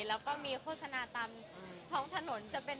แล้วก็มีโฆษณาตามท้องถนนจะเป็น